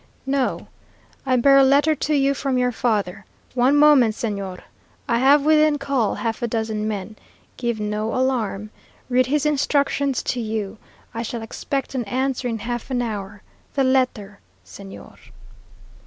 "No. I bear a letter to you from your father. One moment, señor! I have within call half a dozen men. Give no alarm. Read his instructions to you. I shall expect an answer in half an hour. The letter, señor."